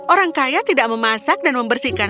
orang kaya tidak memasak dan membersihkan